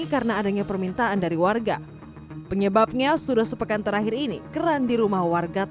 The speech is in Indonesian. karena adanya permintaan dari warga penyebabnya sudah sepekan terakhir ini keran di rumah warga